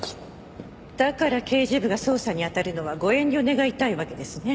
だから刑事部が捜査に当たるのはご遠慮願いたいわけですね。